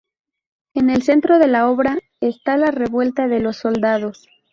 En el centro de la obra está la revuelta de los soldados.